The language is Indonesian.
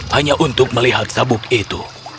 hanya untuk melihat sabuk itu